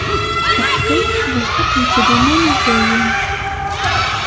Lḥeqq-ik, d lḥeqq yettdumun i dayem.